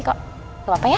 gak apa apa ya